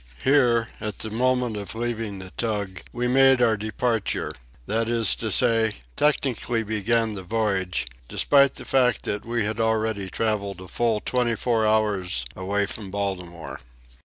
Here, at the moment of leaving the tug, we made our "departure"—that is to say, technically began the voyage, despite the fact that we had already travelled a full twenty four hours away from Baltimore.